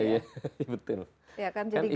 iya kan jadi gabungan